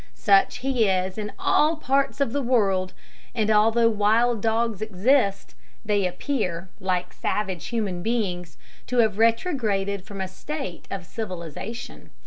Such he is in all parts of the world; and although wild dogs exist, they appear, like savage human beings, to have retrograded from a state of civilisation.